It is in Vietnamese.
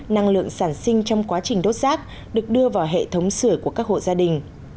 năng lượng sản sinh trong quá trình đốt rác được đưa vào hệ thống sửa của các hộ gia đình